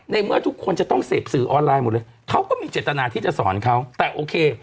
เมื่อทุกคนจะต้องเสพสื่อออนไลน์หมดเลยเขาก็มีเจตนาที่จะสอนเขาแต่โอเค